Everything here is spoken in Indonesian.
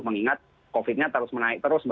mengingat covid nya terus menaik terus